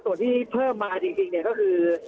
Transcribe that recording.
ตัวที่เพิ่มมาจริงก็คือ